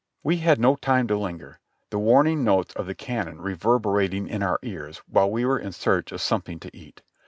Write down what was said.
We had no time to linger, the warning notes of the cannon reverberating in our ears while we were in search of something to eat.